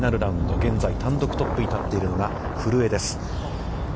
現在単独トップに立っているのが古江です。